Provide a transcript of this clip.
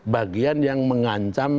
bagian yang mengancam